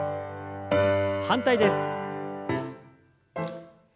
反対です。